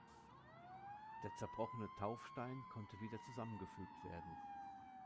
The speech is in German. Der zerbrochene Taufstein konnte wieder zusammengefügt werden.